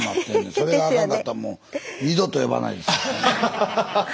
それがあかんかったらもう二度と呼ばないです。